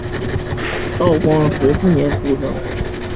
道光十四年出生。